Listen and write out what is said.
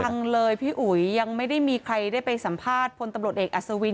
ยังเลยพี่อุ๋ยยังไม่ได้มีใครได้ไปสัมภาษณ์พลตำรวจเอกอัศวิน